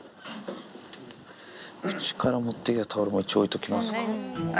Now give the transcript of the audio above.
うちから持ってきたタオルも一応置いときますか。